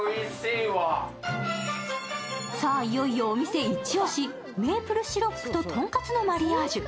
いよいよお店イチ押し、メープルシロップととんかつのマリアージュ。